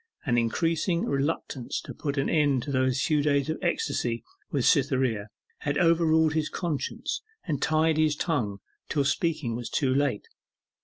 An increasing reluctance to put an end to those few days of ecstasy with Cytherea had overruled his conscience, and tied his tongue till speaking was too late.